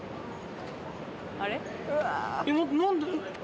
あれ？